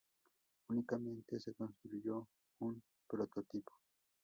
Únicamente se construyó un prototipo.